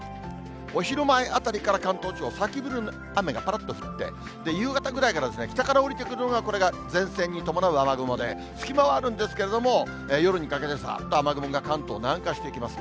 お昼前あたりから関東地方、先降りの雨がぱらっと降って、夕方ぐらいから、北から下りてくるので、これが前線に伴う雨雲で、隙間はあるんですけれども、夜にかけてざーっと雨雲、関東に南下してきます。